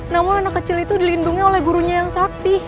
namun anak kecil itu dilindungi oleh gurunya yang sakti